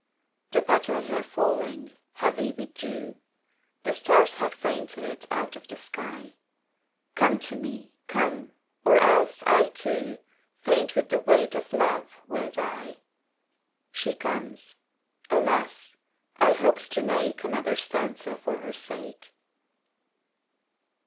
The petals are falling, heavy with dew, The stars have fainted out of the sky, Come to me, come, or else I too, Faint with the weight of love will die. (She comes alas, I hoped to make Another stanza for her sake!)